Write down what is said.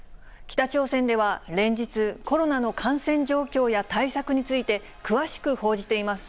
北朝鮮では、連日、コロナの感染状況や対策について詳しく報じています。